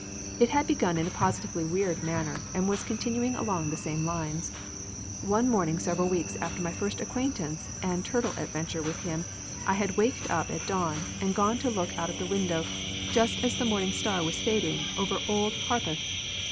It had begun in a positively weird manner and was continuing along the same lines. One morning several weeks after my first acquaintance and turtle adventure with him I had waked up at dawn and gone to look out of the window just as the morning star was fading over Old Harpeth.